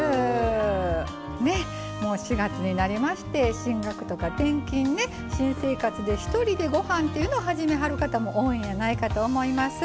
もう４月になりまして進学とか転勤ね、新生活でひとりでご飯っていうのを始めはる方も多いんやないかと思います。